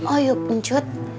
oh yuk encut